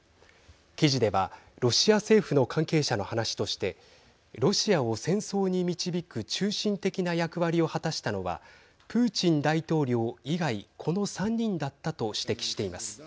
記事ではロシア政府の関係者の話としてロシアを戦争に導く中心的な役割を果たしたのはプーチン大統領以外この３人だったと指摘しています。